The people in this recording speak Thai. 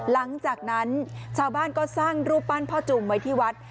หลังจากนั้นชาวบ้านก็สร้างรูปปั้นพ่อจูมไว้ที่วัด